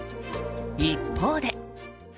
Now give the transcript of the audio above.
一方で。